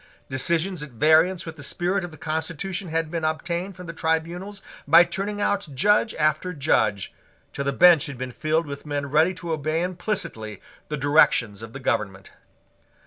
Decisions at variance with the spirit of the constitution had been obtained from the tribunals by turning out Judge after Judge, till the bench had been filled with men ready to obey implicitly the directions of the government.